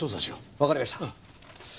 わかりました。